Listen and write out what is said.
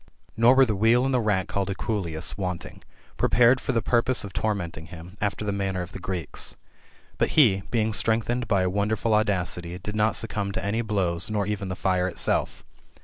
Nor were the wheel aiid the mck called equuleus wanting, prepared for the purpose qf tormenting him, after the manner of the Greeks. But he, beiqg strengthened by a wonderful audacity, did not succumb to any blows, nor even to fire itself.